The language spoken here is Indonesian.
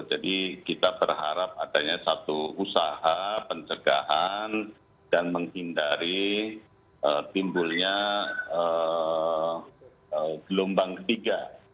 kita berharap adanya satu usaha pencegahan dan menghindari timbulnya gelombang ketiga